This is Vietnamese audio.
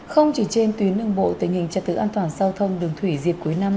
không chỉ trên tuyến đường bộ tình hình trật tự an toàn giao thông đường thủy dịp cuối năm